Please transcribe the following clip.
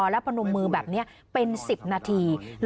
และพนมมือแบบนี้เป็น๑๐นาที